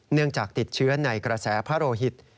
เนื่องจากติดเชื้อในกระแสพระโรหิต